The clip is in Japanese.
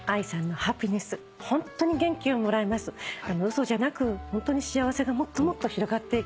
嘘じゃなくホントに幸せがもっともっと広がっていく。